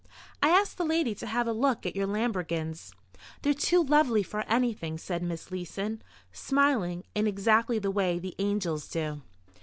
I asked the lady to have a look at your lambrequins." "They're too lovely for anything," said Miss Leeson, smiling in exactly the way the angels do.